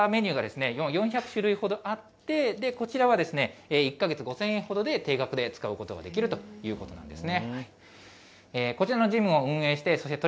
そういったメニューが４００種類ほどあって、こちらはですね、１か月５０００円ほどで定額で使うことができるということなんですね。